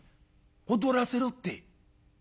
「『踊らせろ』って」。